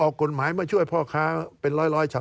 การเลือกตั้งครั้งนี้แน่